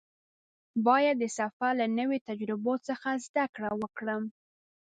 باید د سفر له نویو تجربو څخه زده کړه وکړم.